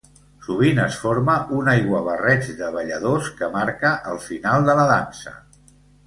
Sovint es forma un aiguabarreig de balladors que marca el final de la dansa.